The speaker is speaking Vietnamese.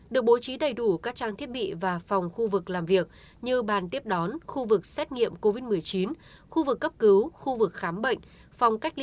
được bố trí đầy đủ các trang thiết bị và phòng khu vực làm việc như bàn tiếp đón khu vực xét nghiệm covid một mươi chín khu vực cấp cứu khu vực khám bệnh phòng cách ly